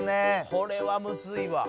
これはむずいわ。